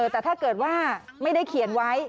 แต่ถ้าเกิดว่าไม่ได้เขียนไว้